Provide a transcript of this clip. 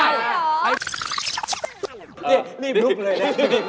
นี่รีบลุกเลยนะ